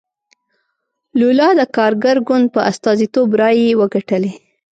لولا د کارګر ګوند په استازیتوب رایې وګټلې.